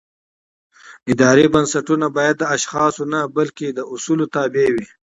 اداري بنسټونه باید د اشخاصو نه بلکې د اصولو تابع وي